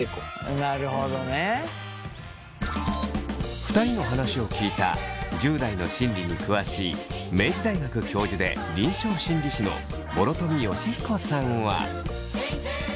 ２人の話を聞いた１０代の心理に詳しい明治大学教授で臨床心理士の諸富祥彦さんは。